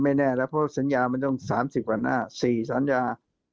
แน่แล้วเพราะสัญญามันต้อง๓๐กว่าหน้า๔สัญญา